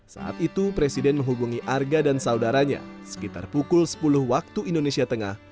saat itu presiden menghubungi arga dan saudaranya sekitar pukul sepuluh waktu indonesia tengah